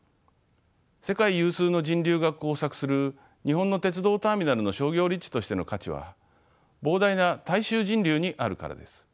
世界有数の人流が交錯する日本の鉄道ターミナルの商業立地としての価値は膨大な大衆人流にあるからです。